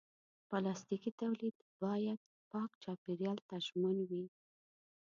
پلاستيکي تولید باید پاک چاپېریال ته ژمن وي.